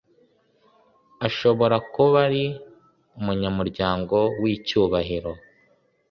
ashobora kub ari umunyamuryango w’icyubahiro